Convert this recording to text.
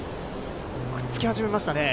くっつき始めましたね。